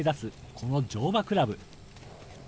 この乗馬クラブ。